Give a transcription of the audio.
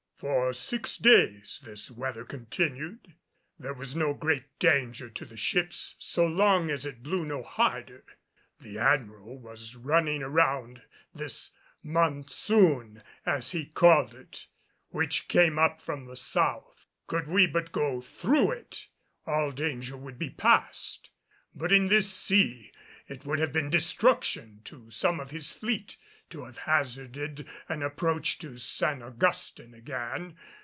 For six days this weather continued. There was no great danger to the ships so long as it blew no harder. The Admiral was running around this mounthsoun, as he called it, which came up from the south. Could we but go through it, all danger would be past; but in this sea it would have been destruction to some of his fleet to have hazarded an approach to San Augustin again.